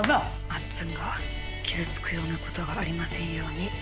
まっつんが傷つくようなことがありませんように。